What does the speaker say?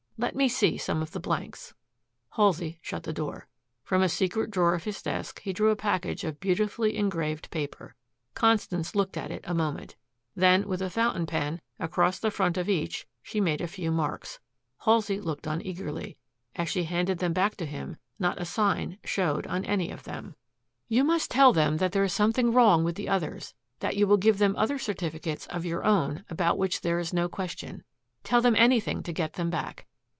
Let me see some of the blanks." Halsey shut the door. From a secret drawer of his desk he drew a package of beautifully engraved paper. Constance looked at it a moment. Then with a fountain pen, across the front of each, she made a few marks. Halsey looked on eagerly. As she handed them back to him, not a sign showed on any part of them. "You must tell them that there is something wrong with the others, that you will give them other certificates of your own about which there is no question. Tell them anything to get them back.